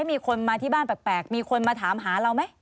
มีคนมาที่บ้านแปลกมีคนมาถามหาเราไหม